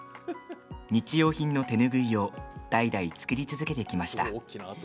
日用品の手拭いを代々、作り続けてきました。